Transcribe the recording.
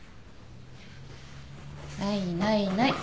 ないないない。